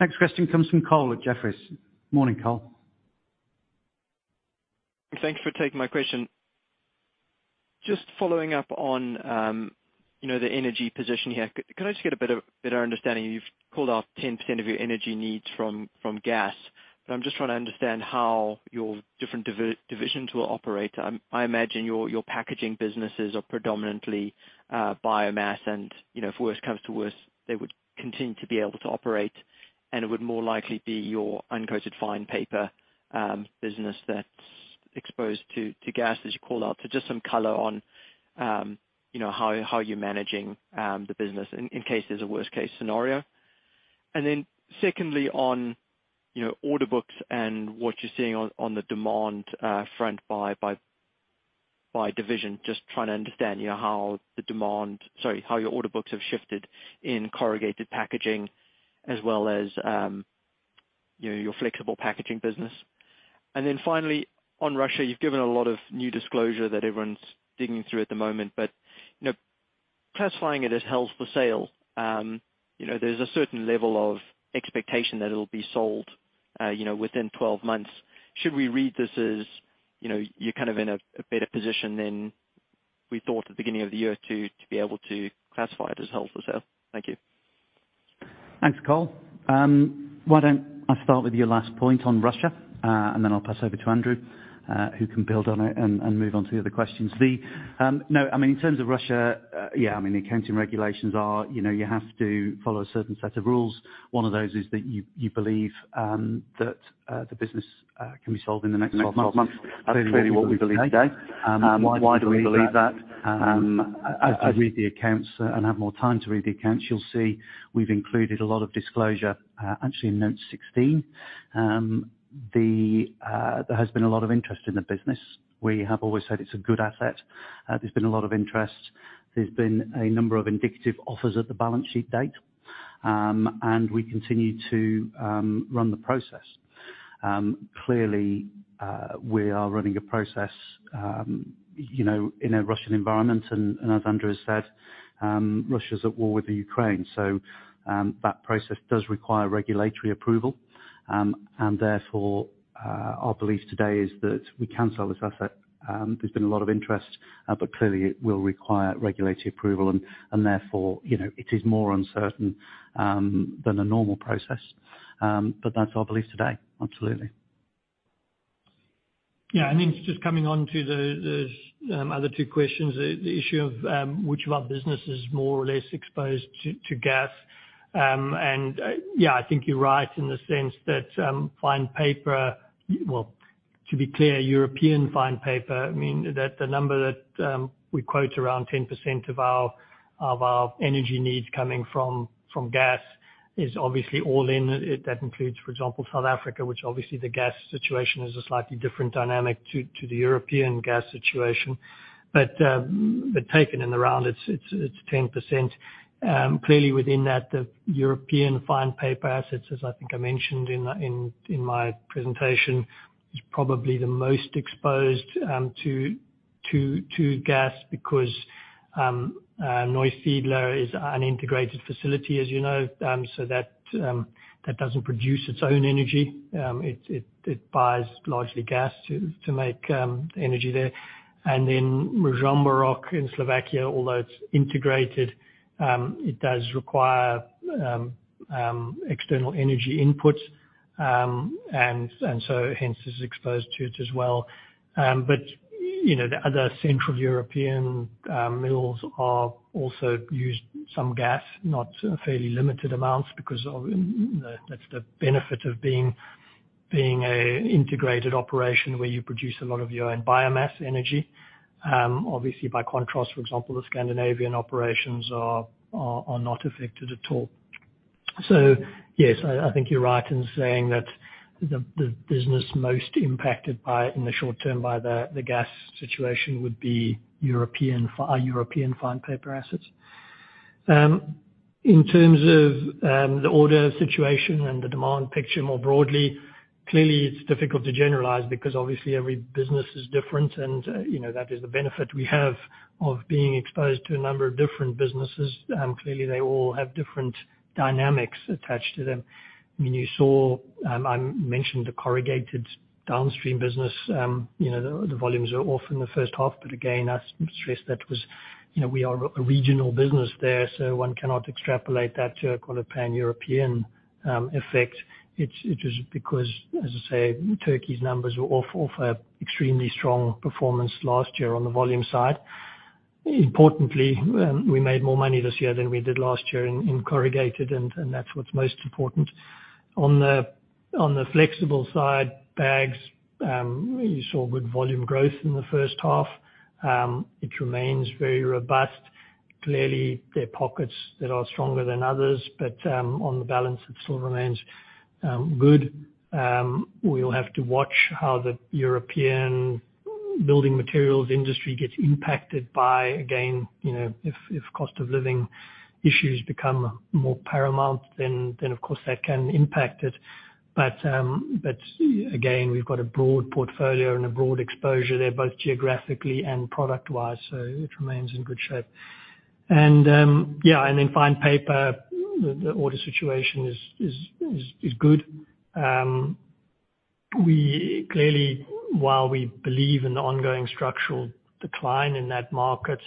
Next question comes from Cole at Jefferies. Morning, Cole. Thanks for taking my question. Just following up on, you know, the energy position here. Can I just get a bit of better understanding? You've pulled off 10% of your energy needs from gas, but I'm just trying to understand how your different divisions will operate. I imagine your packaging businesses are predominantly biomass and, you know, if worse comes to worse, they would continue to be able to operate, and it would more likely be your Uncoated Fine Paper business that's exposed to gas, as you call out. Just some color on, you know, how you're managing the business in case there's a worst case scenario. Secondly, on, you know, order books and what you're seeing on the demand front by division, just trying to understand, you know, how your order books have shifted in Corrugated Packaging as well as, you know, your Flexible Packaging business. Finally, on Russia, you've given a lot of new disclosure that everyone's digging through at the moment, but, you know, classifying it as held for sale, you know, there's a certain level of expectation that it'll be sold, you know, within 12 months. Should we read this as, you know, you're kind of in a better position than we thought at the beginning of the year to be able to classify it as held for sale? Thank you. Thanks, Cole. Why don't I start with your last point on Russia, and then I'll pass over to Andrew, who can build on it and move on to the other questions. No, I mean, in terms of Russia, yeah, I mean, the accounting regulations are, you know, you have to follow a certain set of rules. One of those is that you believe that the business can be sold in the next 12 months. That's clearly what we believe today. Why do we believe that? As you read the accounts and have more time to read the accounts, you'll see we've included a lot of disclosure, actually in note 16. There has been a lot of interest in the business. We have always said it's a good asset. There's been a lot of interest. There's been a number of indicative offers at the balance sheet date, and we continue to run the process. Clearly, we are running a process, you know, in a Russian environment and as Andrew has said, Russia's at war with the Ukraine. That process does require regulatory approval, and therefore, our belief today is that we can sell this asset. There's been a lot of interest, but clearly it will require regulatory approval and therefore, you know, it is more uncertain than a normal process. That's our belief today. Absolutely. Just coming on to the other two questions, the issue of which of our business is more or less exposed to gas. I think you're right in the sense that Fine Paper. Well, to be clear, European Fine Paper, I mean, that the number that we quote around 10% of our energy needs coming from gas is obviously all in. That includes, for example, South Africa, which obviously the gas situation is a slightly different dynamic to the European gas situation. Taken in the round, it's 10%. Clearly within that, the European fine paper assets, as I think I mentioned in my presentation, is probably the most exposed to gas because Neusiedler is an integrated facility, as you know. That doesn't produce its own energy. It buys largely gas to make the energy there. Then Ružomberok in Slovakia, although it's integrated, it does require external energy inputs, and so hence is exposed to it as well. You know, the other Central European mills also use some gas, not fairly limited amounts because that's the benefit of being an integrated operation where you produce a lot of your own biomass energy. Obviously by contrast, for example, the Scandinavian operations are not affected at all. Yes, I think you're right in saying that the business most impacted by it in the short term by the gas situation would be our European fine paper assets. In terms of the order situation and the demand picture more broadly, clearly it's difficult to generalize because obviously every business is different and, you know, that is the benefit we have of being exposed to a number of different businesses. Clearly they all have different dynamics attached to them. I mean, you saw, I mentioned the Corrugated downstream business, you know, the volumes are off in the first half, but again, I stress that was, you know, we are a regional business there, so one cannot extrapolate that to a pan-European effect. It was because, as I say, Turkey's numbers were off an extremely strong performance last year on the volume side. Importantly, we made more money this year than we did last year in Corrugated, and that's what's most important. On the Flexible side, bags, you saw good volume growth in the first half. It remains very robust. Clearly, there are pockets that are stronger than others, but on balance, it still remains good. We will have to watch how the European building materials industry gets impacted by, again, you know, if cost of living issues become more paramount, then of course that can impact it. Again, we've got a broad portfolio and a broad exposure there, both geographically and product-wise, so it remains in good shape. Fine paper, the order situation is good. We clearly, while we believe in the ongoing structural decline in that market,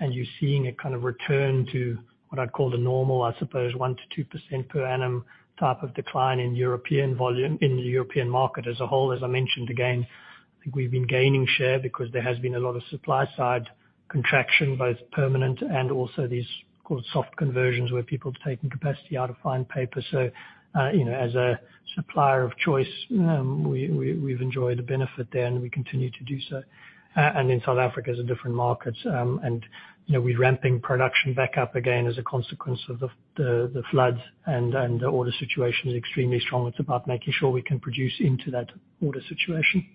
and you're seeing a kind of return to what I'd call the normal, I suppose, 1%-2% per annum type of decline in European volume, in the European market as a whole, as I mentioned again, I think we've been gaining share because there has been a lot of supply side contraction, both permanent and also these kind of soft conversions where people have taken capacity out of fine paper. You know, as a supplier of choice, we've enjoyed a benefit there, and we continue to do so. In South Africa is a different markets, and you know, we're ramping production back up again as a consequence of the floods and the order situation is extremely strong. It's about making sure we can produce into that order situation.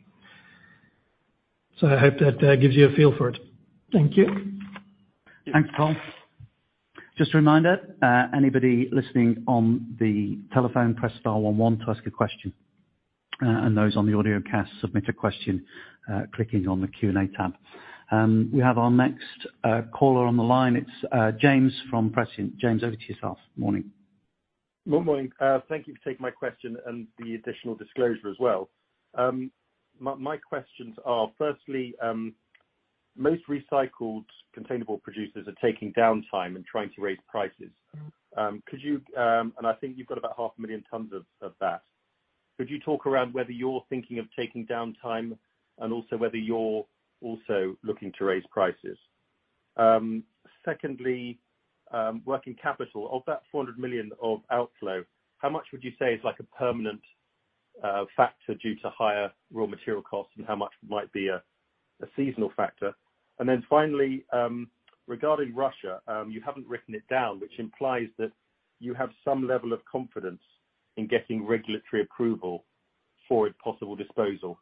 I hope that gives you a feel for it. Thank you. Thanks, Cole. Just a reminder, anybody listening on the telephone, press star one one to ask a question. Those on the webcast, submit a question, clicking on the Q&A tab. We have our next caller on the line. It's James from Prescient. James, over to yourself. Morning. Good morning. Thank you for taking my question and the additional disclosure as well. My questions are, firstly, most recycled containerboard producers are taking downtime and trying to raise prices. Could you, and I think you've got about 500,000 tons of that. Could you talk around whether you're thinking of taking downtime and also whether you're also looking to raise prices? Secondly, working capital. Of that 400 million of outflow, how much would you say is like a permanent factor due to higher raw material costs and how much might be a seasonal factor? Finally, regarding Russia, you haven't written it down, which implies that you have some level of confidence in getting regulatory approval for a possible disposal.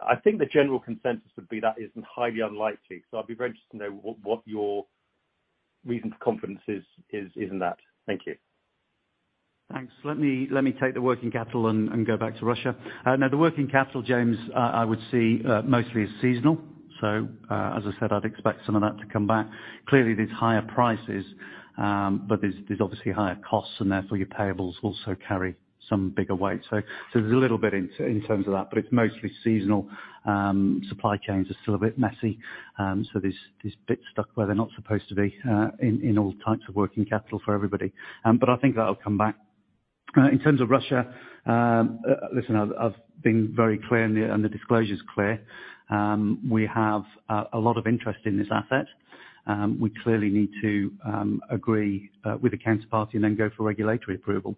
I think the general consensus would be that is highly unlikely, so I'd be very interested to know what your reason for confidence is in that? Thank you. Thanks. Let me take the working capital and go back to Russia. Now the working capital, James, I would see mostly as seasonal. As I said, I'd expect some of that to come back. Clearly, there's higher prices, but there's obviously higher costs, and therefore, your payables also carry some bigger weight. There's a little bit in terms of that, but it's mostly seasonal. Supply chains are still a bit messy, so there's bits stuck where they're not supposed to be, in all types of working capital for everybody. But I think that'll come back. In terms of Russia, listen, I've been very clear, and the disclosure's clear. We have a lot of interest in this asset. We clearly need to agree with the counterparty and then go for regulatory approval.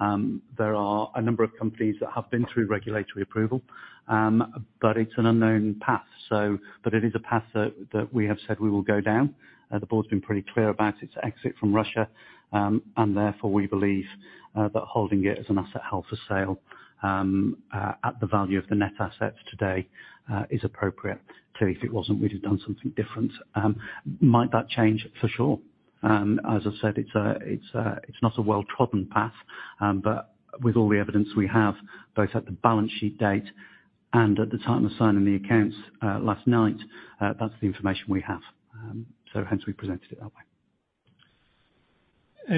There are a number of companies that have been through regulatory approval, but it's an unknown path. It is a path that we have said we will go down. The board's been pretty clear about its exit from Russia, and therefore, we believe that holding it as an asset held for sale, at the value of the net asset today, is appropriate. Clearly, if it wasn't, we'd have done something different. Might that change? For sure. As I said, it's not a well-trodden path, but with all the evidence we have, both at the balance sheet date and at the time of signing the accounts last night, that's the information we have. Hence we presented it that way.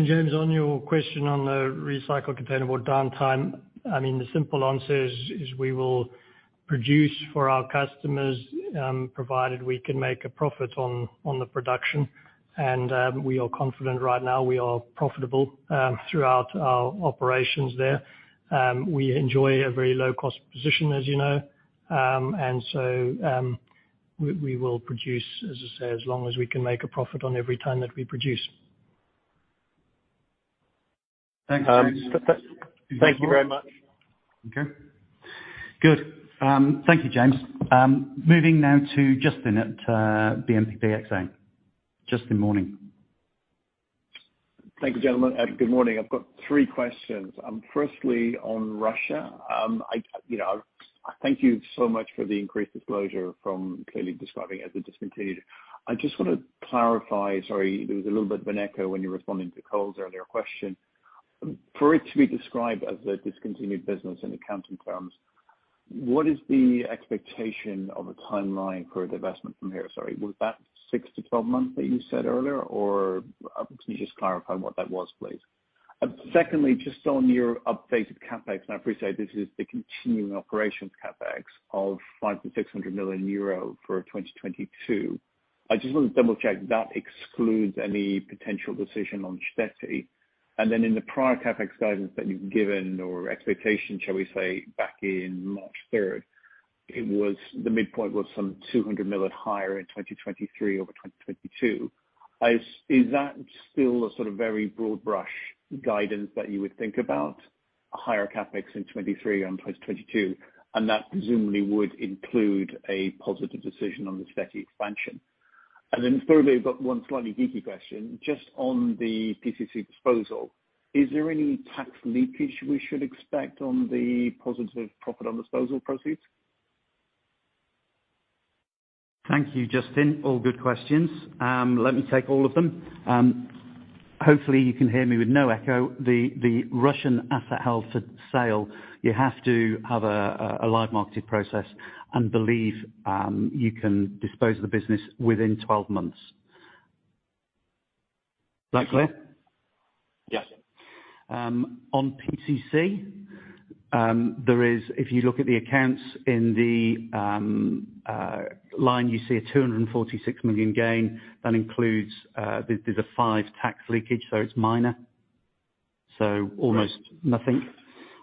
James, on your question on the recycled containerboard downtime, I mean, the simple answer is we will produce for our customers, provided we can make a profit on the production. We are confident right now we are profitable throughout our operations there. We enjoy a very low cost position, as you know. We will produce, as I say, as long as we can make a profit on every ton that we produce. Thanks. Thank you very much. Okay. Good. Thank you, James. Moving now to Justin at BNP Paribas Exane. Justin, morning. Thank you, gentlemen, and good morning. I've got three questions. Firstly, on Russia, you know, thank you so much for the increased disclosure from clearly describing it as a discontinued. I just wanna clarify, sorry, there was a little bit of an echo when you were responding to Cole's earlier question. For it to be described as a discontinued business in accounting terms, what is the expectation of a timeline for a divestment from here? Sorry, was that 6-12 months that you said earlier? Or can you just clarify what that was, please? Secondly, just on your updated CapEx, and I appreciate this is the continuing operations CapEx of 500 million-600 million euro for 2022. I just want to double-check that excludes any potential decision on Štětí. Then in the prior CapEx guidance that you've given or expectation, shall we say, back in March 3rd, it was the midpoint was some 200 million higher in 2023 over 2022. Is that still a sort of very broad brush guidance that you would think about, a higher CapEx in 2023 on 2022, and that presumably would include a positive decision on the Štětí expansion? Thirdly, I've got one slightly geeky question. Just on the PCC disposal, is there any tax leakage we should expect on the positive profit on disposal proceeds? Thank you, Justin. All good questions. Let me take all of them. Hopefully you can hear me with no echo. The Russian asset held for sale, you have to have a live marketed process and believe you can dispose the business within 12 months. Is that clear? Yes. On PCC, if you look at the accounts in the line, you see a 246 million gain. That includes, there's a 5% tax leakage, so it's minor. Almost nothing.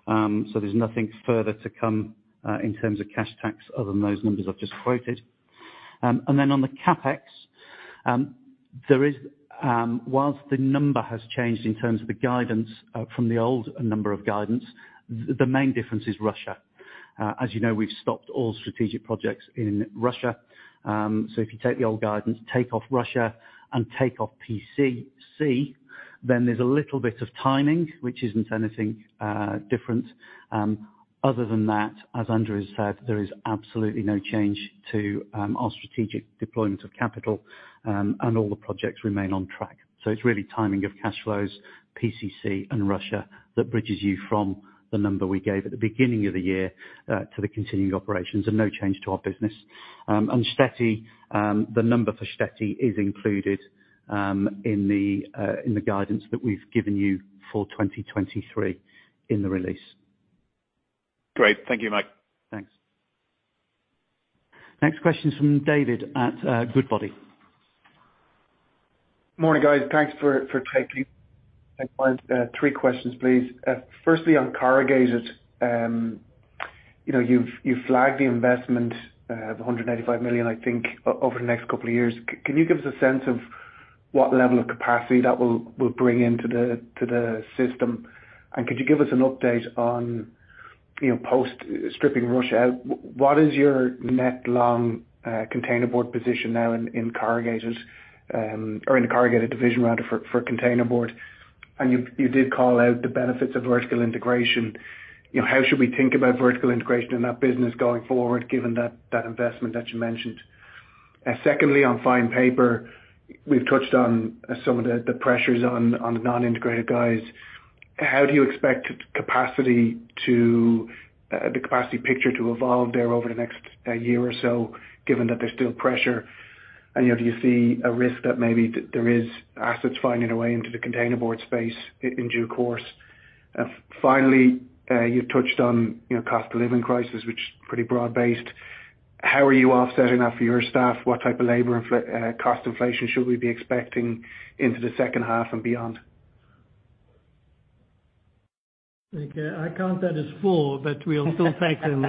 There's nothing further to come in terms of cash tax other than those numbers I've just quoted. On the CapEx, whilst the number has changed in terms of the guidance from the old number of guidance, the main difference is Russia. As you know, we've stopped all strategic projects in Russia. If you take the old guidance, take off Russia and take off PCC, then there's a little bit of timing, which isn't anything different. Other than that, as Andrew has said, there is absolutely no change to our strategic deployment of capital, and all the projects remain on track. It's really timing of cash flows, PCC and Russia that bridges you from the number we gave at the beginning of the year to the continuing operations and no change to our business. Štětí, the number for Štětí is included in the guidance that we've given you for 2023 in the release. Great. Thank you, Mike. Thanks. Next question is from David at Goodbody. Morning, guys. Thanks for taking mine. Three questions, please. Firstly, on Corrugated, you know, you've flagged the investment of 185 million, I think, over the next couple of years. Can you give us a sense of what level of capacity that will bring into the system? Could you give us an update on, you know, post stripping Russia out, what is your net long containerboard position now in Corrugated, or in the Corrugated division rather for containerboard? You did call out the benefits of vertical integration. You know, how should we think about vertical integration in that business going forward given that investment that you mentioned? Secondly, on fine paper, we've touched on some of the pressures on the non-integrated guys. How do you expect the capacity picture to evolve there over the next year or so, given that there's still pressure? You know, do you see a risk that maybe there is assets finding a way into the containerboard space in due course? Finally, you've touched on, you know, cost of living crisis, which is pretty broad-based. How are you offsetting that for your staff? What type of labor cost inflation should we be expecting into the second half and beyond? Okay. I count that as four, but we'll still take them,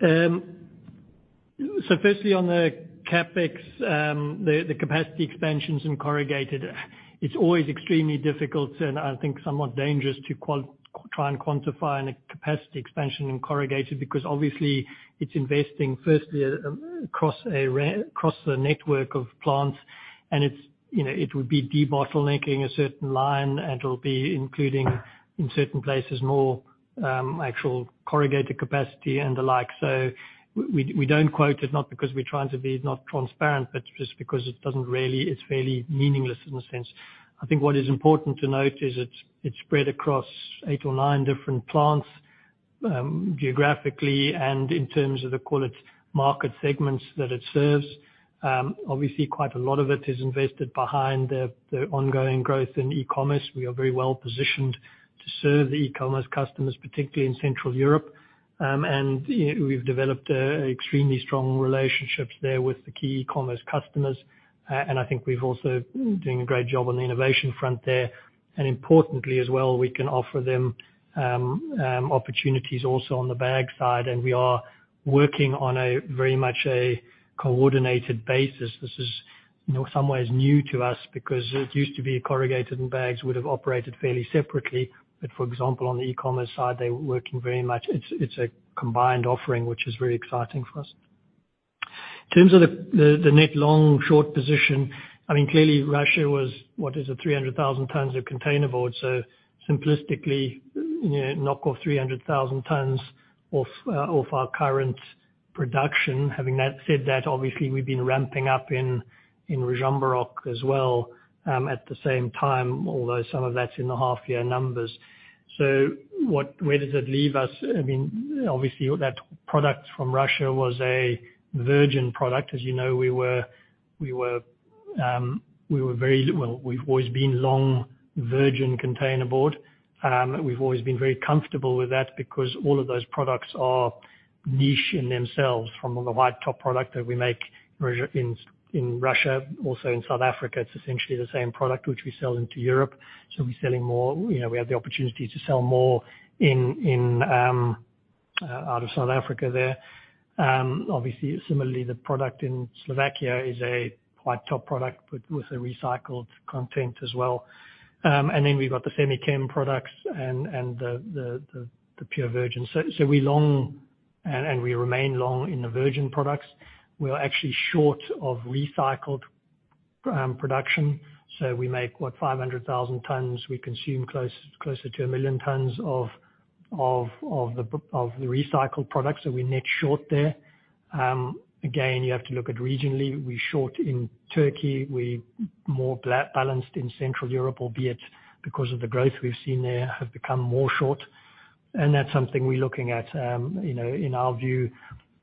David. Firstly on the CapEx, the capacity expansions in Corrugated, it's always extremely difficult and I think somewhat dangerous to try and quantify any capacity expansion in Corrugated because obviously it's investing firstly across the network of plants, and it's, you know, it would be de-bottlenecking a certain line, and it'll be including in certain places more actual Corrugated capacity and the like. We don't quote it, not because we're trying to be not transparent, but just because it doesn't really. It's fairly meaningless in a sense. I think what is important to note is it's spread across eight or nine different plants, geographically and in terms of the call it market segments that it serves. Obviously, quite a lot of it is invested behind the ongoing growth in e-commerce. We are very well positioned to serve the e-commerce customers, particularly in Central Europe. We've developed extremely strong relationships there with the key e-commerce customers. I think we've also doing a great job on the innovation front there. Importantly as well, we can offer them opportunities also on the bag side, and we are working on a very much a coordinated basis. This is, you know, some ways new to us because it used to be corrugated and bags would have operated fairly separately. For example, on the e-commerce side, they were working very much. It's a combined offering, which is very exciting for us. In terms of the net long short position, I mean, clearly, Russia was, what is it, 300,000 tons of containerboard. So simplistically, you know, knock off 300,000 tons off our current production. Having said that, obviously, we've been ramping up in Ružomberok as well, at the same time, although some of that's in the half year numbers. So, where does that leave us? I mean, obviously that product from Russia was a virgin product. As you know, we've always been long virgin containerboard. We've always been very comfortable with that because all of those products are niche in themselves from the white top product that we make in Russia, also in South Africa. It's essentially the same product which we sell into Europe. We're selling more. You know, we have the opportunity to sell more in out of South Africa there. Obviously similarly, the product in Slovakia is a white top product with a recycled content as well. And then we've got the semi-chem products and the pure virgin. We long and we remain long in the virgin products. We are actually short of recycled production, so we make what, 500,000 tons. We consume closer to 1,000,000 tons of the recycled products, so we net short there. Again, you have to look at regionally. We're short in Turkey. We're more balanced in Central Europe, albeit because of the growth we've seen there, have become more short. That's something we're looking at, you know, in our view.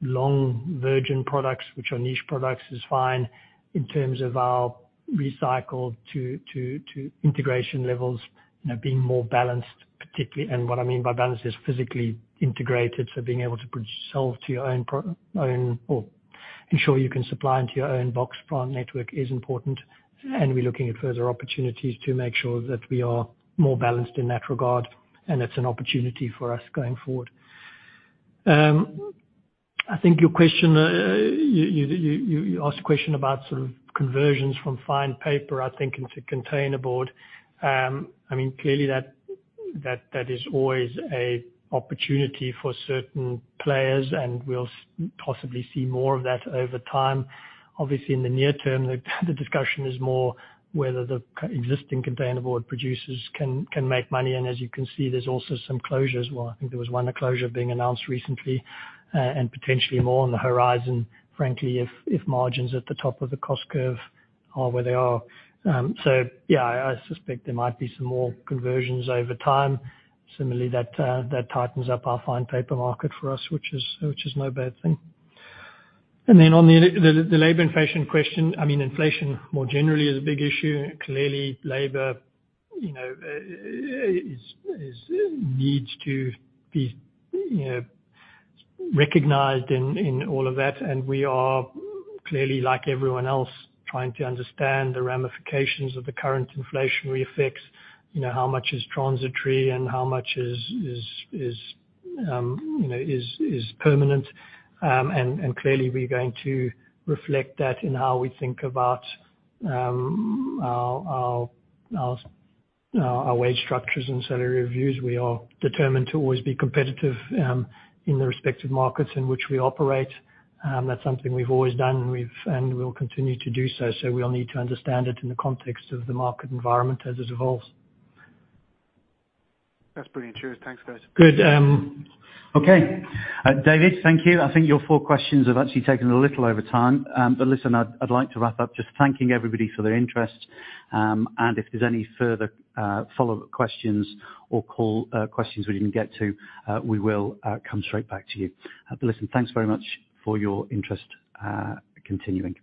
Long virgin products, which are niche products, is fine in terms of our recycled to integration levels, you know, being more balanced particularly. What I mean by balanced is physically integrated, so being able to produce, sell to your own own, or ensure you can supply into your own box plant network is important. We're looking at further opportunities to make sure that we are more balanced in that regard, and that's an opportunity for us going forward. I think your question, you asked a question about sort of conversions from fine paper, I think into containerboard. I mean, clearly that is always a opportunity for certain players, and we'll possibly see more of that over time. Obviously, in the near term, the discussion is more whether the existing containerboard producers can make money. As you can see, there's also some closures. Well, I think there was one closure being announced recently, and potentially more on the horizon, frankly, if margins at the top of the cost curve are where they are. So yeah, I suspect there might be some more conversions over time. Similarly, that tightens up our fine paper market for us, which is no bad thing. Then on the labor inflation question, I mean, inflation more generally is a big issue. Clearly labor, you know, is needs to be, you know, recognized in all of that. We are clearly, like everyone else, trying to understand the ramifications of the current inflationary effects. You know, how much is transitory and how much is permanent. Clearly we're going to reflect that in how we think about our wage structures and salary reviews. We are determined to always be competitive in the respective markets in which we operate. That's something we've always done, and we'll continue to do so. We'll need to understand it in the context of the market environment as it evolves. That's brilliant. Cheers. Thanks, guys. Good. David, thank you. I think your four questions have actually taken a little over time. Listen, I'd like to wrap up just thanking everybody for their interest. If there's any further follow-up questions or call questions we didn't get to, we will come straight back to you. Listen, thanks very much for your interest, continuing.